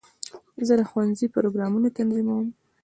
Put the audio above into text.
زه د ښوونځي پروګرامونه تنظیموم.